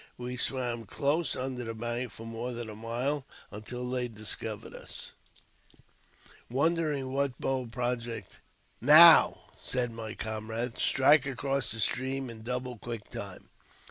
We swam close under the bank for more than a mile, until they discovered us. Now," said my comrade, "strike across the stream in double quick time."